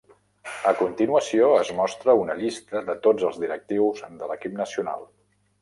A continuació, es mostra una llista de tots els directius de l'equip nacional.